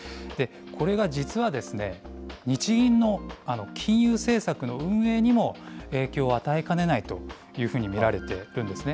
これが実は、日銀の金融政策の運営にも影響を与えかねないというふうに見られているんですね。